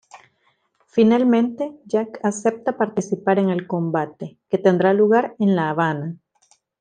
Finalmente Jack acepta participar en el combate, que tendrá lugar en La Habana.